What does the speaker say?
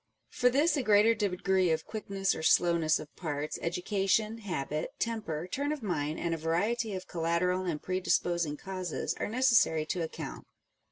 For this a greater degree of quickness or slowness of parts, education, habit, temper, turn of mind, and a variety of collateral and predisposing causes are necessary to account.